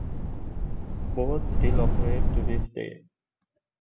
Both still operate to this day.